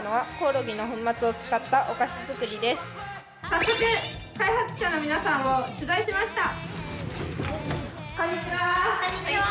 早速開発者の皆さんを取材しました。